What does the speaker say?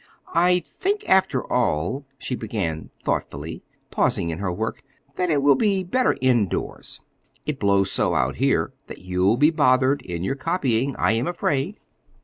"I think, after all," she began thoughtfully, pausing in her work, "that it will be better indoors. It blows so out here that you'll be bothered in your copying, I am afraid."